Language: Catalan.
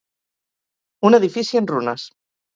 Un edifici en runes.